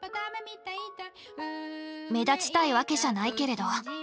目立ちたいわけじゃないけれど。